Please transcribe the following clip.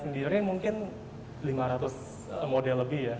untuk kaveling mungkin lima ratus model lebih